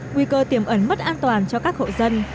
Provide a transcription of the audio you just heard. nguy cơ tiềm ẩn mất an toàn cho các hộ dân